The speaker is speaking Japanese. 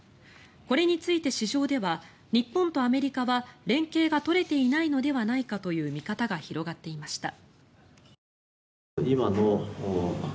これについて市場では日本とアメリカは連携が取れていないのではないかという見方が広がっていました。